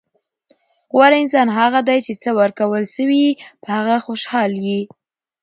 غوره انسان هغه دئ، چي څه ورکول سوي يي؛ په هغه خوشحال يي.